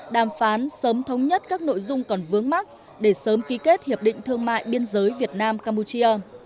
đàm phán sớm thống nhất các nội dung còn vướng mắt để sớm ký kết hiệp định thương mại biên giới việt nam campuchia